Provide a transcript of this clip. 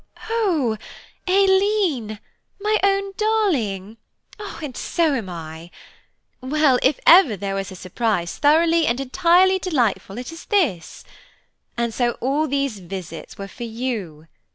"Oh, Aileen! my own darling, and so am I. Well, if ever there was a surprise thoroughly and entirely delightful it is this! And so all these visits were for you?